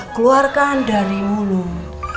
keluarkan dari mulut